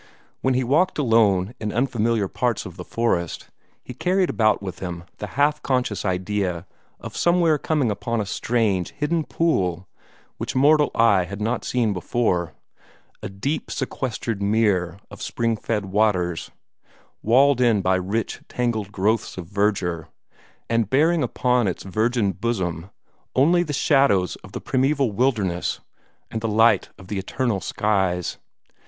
When he walked alone in unfamiliar parts of the forest, he carried about with him the half conscious idea of somewhere coming upon a strange, hidden pool which mortal eye had not seen before a deep, sequestered mere of spring fed waters, walled in by rich, tangled growths of verdure, and bearing upon its virgin bosom only the shadows of the primeval wilderness, and the light of the eternal skies.